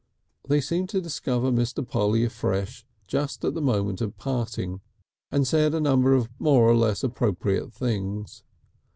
They seemed to discover Mr. Polly afresh just at the moment of parting, and said a number of more or less appropriate things.